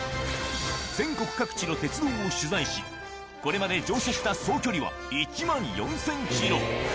全国各地の鉄道を取材し、これまで乗車した総距離は１万４０００キロ。